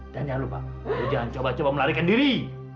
dan jangan lupa lo jangan coba coba melarikan diri